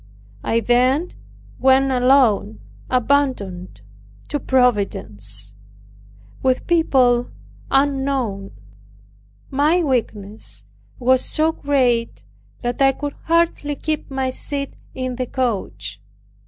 I then went alone, abandoned to Providence, with people unknown. My weakness was so great, that I could hardly keep my seat in the coach.